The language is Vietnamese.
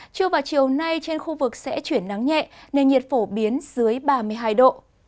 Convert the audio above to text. chưa vào chiều nay trên khu vực sẽ chuyển nắng nhẹ nên nhiệt phổ biến dưới ba mươi hai độ